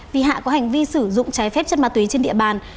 vì hạ có hành vi sử dụng trái phép chất ma túy trên địa bàn